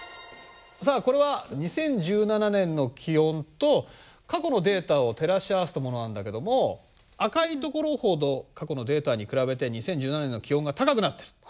さあこれは２０１７年の気温と過去のデータを照らし合わせたものなんだけども赤いところほど過去のデータに比べて２０１７年の気温が高くなっている。